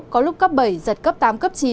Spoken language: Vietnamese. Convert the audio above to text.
có lúc cấp bảy sật cấp tám cấp chín